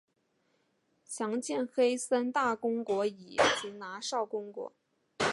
详见黑森大公国以及拿绍公国。